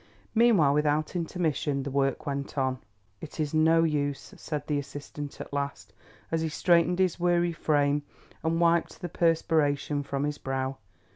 Meanwhile without intermission the work went on. "It is no use," said the assistant at last, as he straightened his weary frame and wiped the perspiration from his brow.